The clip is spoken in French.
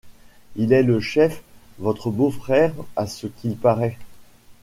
Il est le chef, votre beau-frère, à ce qu’il paraît...